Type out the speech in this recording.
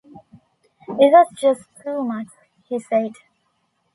It was just too much, he said.